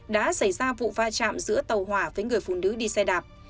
đã xảy ra vụ va chạm giữa tàu hỏa với người phụ nữ đi xe đạp